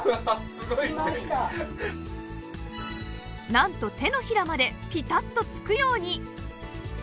なんと手のひらまでピタッとつくように！